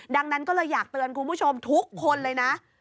ดังนั้นก็เลยอยากเตือนคุณผู้ชมทุกคนเลยนะ